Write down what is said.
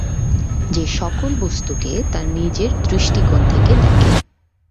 সে সকল বস্তুকে তার নিজের দৃষ্টিকোণ থেকে দেখে।